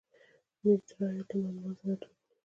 میترا یا لمر لمانځنه دود وه